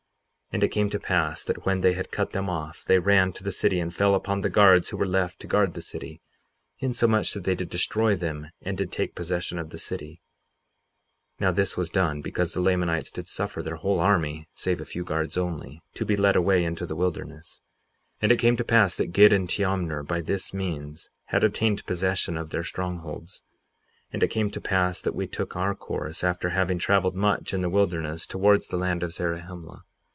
58:21 And it came to pass that when they had cut them off, they ran to the city and fell upon the guards who were left to guard the city, insomuch that they did destroy them and did take possession of the city. Alma 58:22 Now this was done because the Lamanites did suffer their whole army, save a few guards only, to be led away into the wilderness. 58:23 And it came to pass that Gid and Teomner by this means had obtained possession of their strongholds. And it came to pass that we took our course, after having traveled much in the wilderness towards the land of Zarahemla.